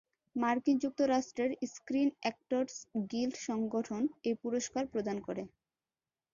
মার্কিন যুক্তরাষ্ট্রের screen actors guild সংগঠন এই পুরস্কার প্রদান করে।